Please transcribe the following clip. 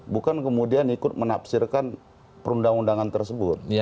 bukan kemudian ikut menafsirkan perundang undangan tersebut